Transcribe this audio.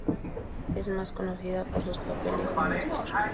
Es más conocida por sus papeles en "Mr.